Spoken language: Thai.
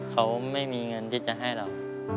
เขาไม่มีเงินที่จะให้เรา